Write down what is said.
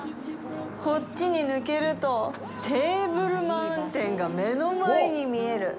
こっちに抜けるとテーブルマウンテンが目の前に見える！